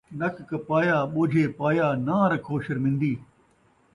نک کپایا ٻوجھے پایا ، ناں رکھو شرمن٘دی